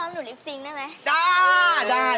อยู่แค่นี้